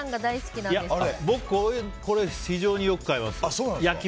僕、非常によく買います。